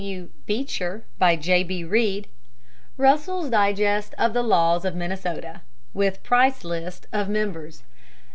W. Beecher. By J. B. Reed. Russell's Digest of the Laws of Minnesota, with Price List of Members.